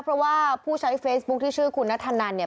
เพราะว่าผู้ใช้เฟซบุ๊คที่ชื่อคุณนัทธนันเนี่ย